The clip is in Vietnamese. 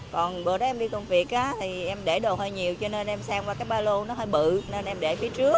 còn bữa đó em đi công việc thì em để đồ hơi nhiều cho nên em sang qua cái ba lô nó hơi bự nên em để phía trước